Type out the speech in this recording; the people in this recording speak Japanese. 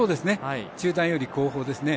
中団より後方ですね。